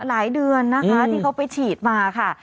หลายเดือนนะคะที่เขาไปฉีดมาค่ะ